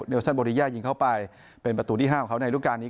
เนลซันบูรีย่ายิงเข้าไปเป็นประตูที่ห้าของเขาในลูกการนี้